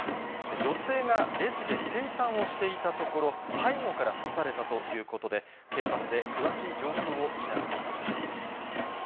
女性がレジで精算をしていたところ、背後から刺されたということで、警察で詳しい状況を調べています。